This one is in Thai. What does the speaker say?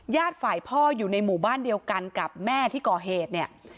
ฝ่ายพ่ออยู่ในหมู่บ้านเดียวกันกับแม่ที่ก่อเหตุเนี่ย